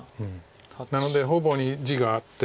なので方々に地があって。